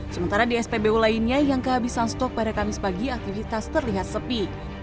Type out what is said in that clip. sementara di spbu lainnya yang kehabisan stok pada kamis pagi aktivitas terlihat sepi